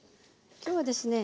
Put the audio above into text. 今日はですね